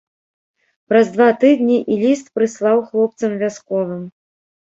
Праз два тыдні і ліст прыслаў хлопцам вясковым.